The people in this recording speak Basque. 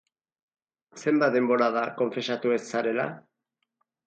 Zenbat denbora da konfesatu ez zarela?